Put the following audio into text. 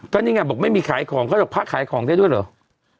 ท่านยังไงบอกไม่มีขายของเค้าอยากพักขายของได้ด้วยเหรอ